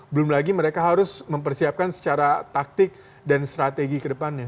belum lagi mereka harus mempersiapkan secara taktik dan strategi ke depannya